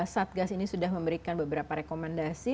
satgas ini sudah memberikan beberapa rekomendasi